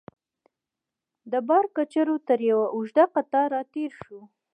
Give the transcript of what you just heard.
د بار کچرو تر یوه اوږد قطار راتېر شوو.